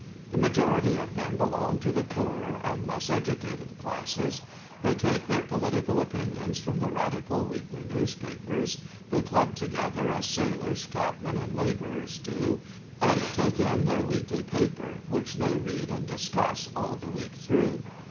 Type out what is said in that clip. The majority of them belong to the poorer and less educated classes; they take their political opinions from the radical weekly papers. They club together as sailors, cabmen, and labourers do, and take in their weekly paper, which they read and discuss all the week through.